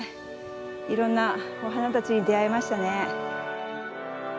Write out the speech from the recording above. いろんなお花たちに出会えましたね。